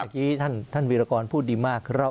เดี๋ยวกี้ท่านวิรากรพูดดีมาก